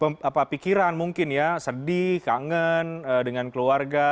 apa pikiran mungkin ya sedih kangen dengan keluarga